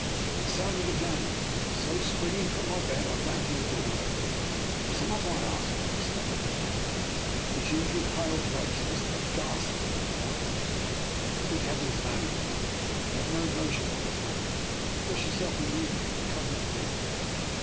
It sounded again; so. 274 DR. NIKOLA'S EXPERIMENT. springing from my bed, I ran to the door, and opened it. " What is the matter? I asked, when he was standing before me. His usual pale face was now ghastly in its whiteness. "Good heavens, man!" he cried, "you have no notion of what has happened. Dress yourself immediately and come with me!"